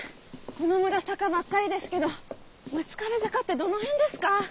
この村坂ばっかりですけど「六壁坂」ってどの辺ですか？